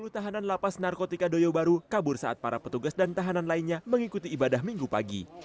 tiga puluh tahanan lapas narkotika doyo baru kabur saat para petugas dan tahanan lainnya mengikuti ibadah minggu pagi